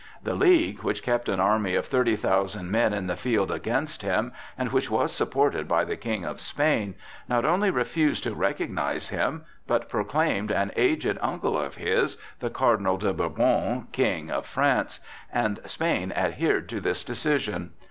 The League, which kept an army of 30,000 men in the field against him, and which was supported by the King of Spain, not only refused to recognize him, but proclaimed an aged uncle of his, the Cardinal de Bourbon, King of France, and Spain adhered to this decision.